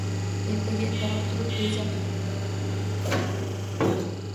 Ertaga ertaroq turib reja qiling!